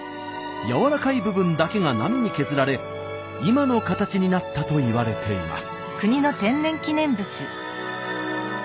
軟らかい部分だけが波に削られ今の形になったといわれています。